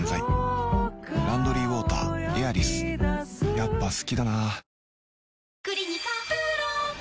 やっぱ好きだな